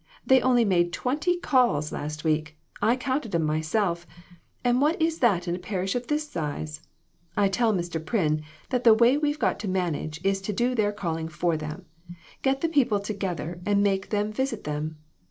They only made twenty calls last week, I counted 'em myself ; and what is that in a parish of this size ? I tell Mr. Pryn that the way we've got to manage is to do their calling for them; get^the people together and make them visit them.